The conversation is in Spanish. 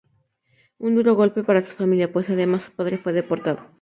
Un duro golpe para su familia, pues además su padre fue deportado.